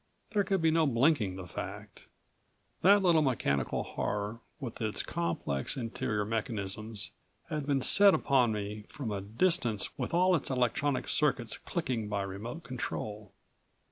There could be no blinking the fact. That little mechanical horror, with its complex interior mechanisms, had been set upon me from a distance with all of its electronic circuits clicking by remote control.